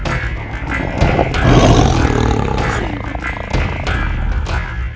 tapi kenapa aku dihukumnya juga